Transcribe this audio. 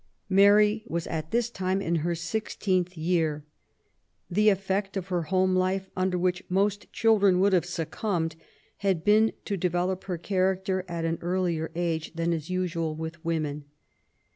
Mary was at this time in her sixteenth year. The effect of her home life, under which most children would have succumbed, had been to develop her char acter at an earlier age than is usual with women.